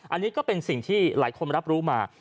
อันนี้ก็เป็นสิ่งที่หลายคนรับรู้มา